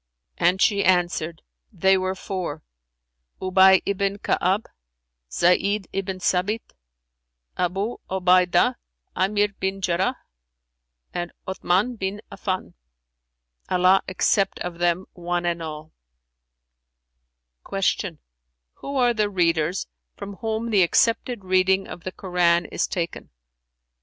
And she answered "They were four, Ubay ibn Ka'ab, Zayd ibn Sαbit, Abϊ Obaydah 'Aamir bin Jarrαh, and Othmαn bin Affαn[FN#377] (Allah accept of them one and all!)" Q "Who are the readers, from whom the accepted reading of the Koran is taken?"